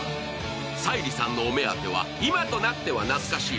沙莉さんのお目当ては今となっては懐かしい